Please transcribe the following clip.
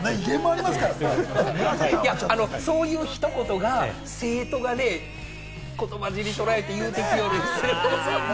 そういうひと言が、生徒が言葉尻を捉えて言うてきよるんですよ。